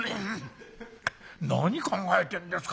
何考えてるんですか。